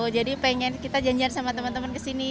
jadi pengen kita janjian sama teman teman ke sini